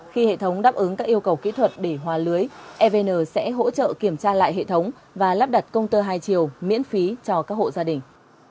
khi hệ thống đáp ứng các yêu cầu kỹ thuật để hòa lưới evn sẽ hỗ trợ kiểm tra lại hệ thống và lắp đặt công tơ hai chiều miễn phí cho các hộ gia đình